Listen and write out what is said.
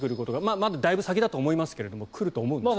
まだだいぶ先だとは思うんですが来ると思うんですが。